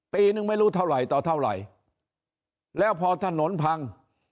ปีนึงไม่รู้เท่าไหร่ต่อเท่าไหร่แล้วพอถนนพัง